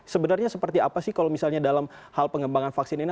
sebenarnya seperti apa sih kalau misalnya dalam hal pengembangan vaksin ini